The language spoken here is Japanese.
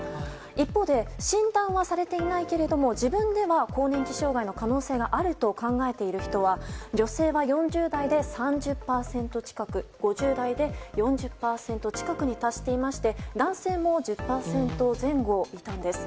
一方で診断はされていないけども自分では更年期障害の可能性があると考えている人は女性は４０代で３０％近く５０代で４０％近くに達していまして男性も１０％前後いたんです。